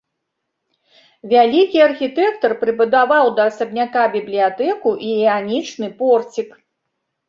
Вялікі архітэктар прыбудаваў да асабняка бібліятэку і іанічны порцік.